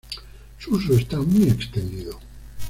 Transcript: Su uso está muy extendido.